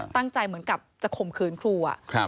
ตั้งใจเหมือนกับจะข่มคืนครูอะ